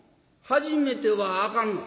初めてはあかんの？